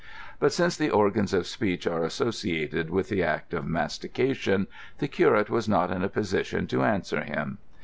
But since the organs of speech are associated with the act of mastication, the curate was not in a position to answer him.